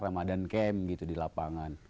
ramadhan camp gitu di lapangan